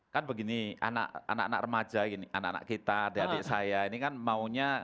kan begini anak anak remaja ini anak anak kita adik adik saya ini kan maunya